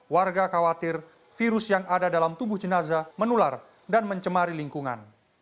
warga khawatir virus yang ada dalam tubuh jenazah menular dan mencemari lingkungan